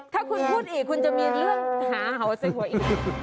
ถ้าคุณพูดอีกคุณจะมีเรื่องหาเห่าใส่หัวอีก